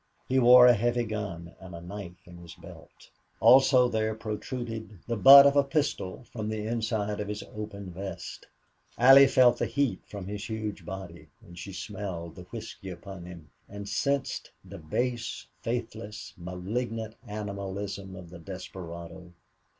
He wore a heavy gun and a knife in his belt. Also there protruded the butt of a pistol from the inside of his open vest. Allie felt the heat from his huge body, and she smelled the whisky upon him, and sensed the base, faithless, malignant animalism of the desperado.